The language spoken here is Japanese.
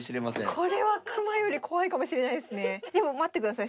これはクマより怖いかもしれないですね。